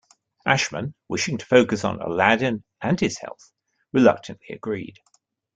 Ashman, wishing to focus on "Aladdin" and his health, reluctantly agreed.